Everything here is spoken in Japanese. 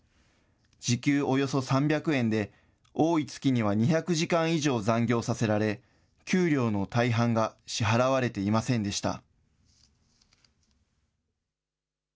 時給およそ３００円で、多い月には２００時間以上残業させられ、給料の大半が支払われていませんでした。